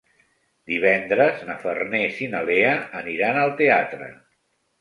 Divendres na Farners i na Lea aniran al teatre.